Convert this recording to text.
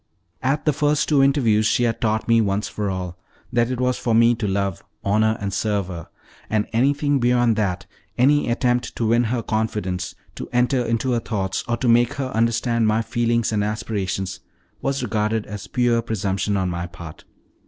At the two first interviews she had taught me, once for all, that it was for me to love, honor, and serve her, and that anything beyond that any attempt to win her confidence, to enter into her thoughts, or make her understand my feelings and aspirations was regarded as pure presumption on my part.